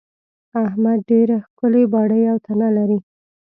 احمد ډېره ښکلې باډۍ او تنه لري.